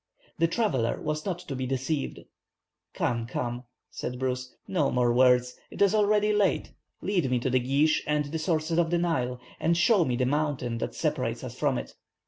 The traveller was not to be deceived. "'Come! come!'" said Bruce, "'no more words. It is already late; lead me to Geesh and the sources of the Nile, and show me the mountain that separates us from it.'